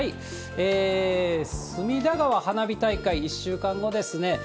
隅田川花火大会、１週間後ですね。